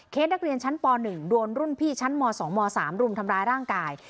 นักเรียนชั้นป๑โดนรุ่นพี่ชั้นม๒ม๓รุมทำร้ายร่างกาย